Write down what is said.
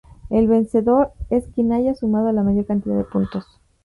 El vencedor es quien haya sumado la mayor cantidad de puntos.